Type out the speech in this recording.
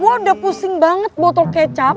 wah udah pusing banget botol kecap